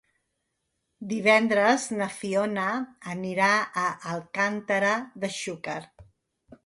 Divendres na Fiona anirà a Alcàntera de Xúquer.